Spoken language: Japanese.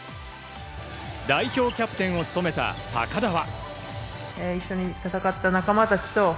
代表キャプテンを務めた高田は。